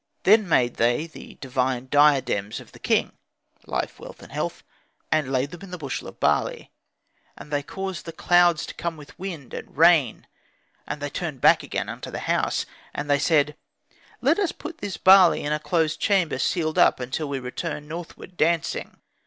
Then made they the divine diadems of the king (life, wealth, and health), and laid them in the bushel of barley. And they caused the clouds to come with wind and rain; and they turned back again unto the house. And they said, "Let us put this barley in a closed chamber, sealed up, until we return northward, dancing."